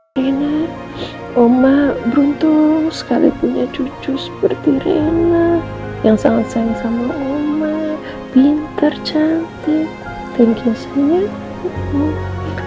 reina oma beruntung sekali punya cucu seperti reina yang sangat sayang sama oma pintar cantik thank you sayang